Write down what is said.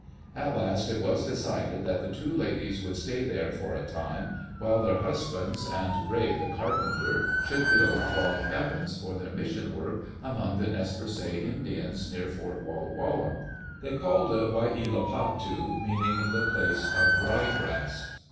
At last it was decided that the two ladies should stay there for a time, while their husbands and Gray the carpenter should build log cabins for their mission work among the Nez Perces Indians, near Fort Walla Walla. They called it Waiilatpu, meaning the place of rye grass.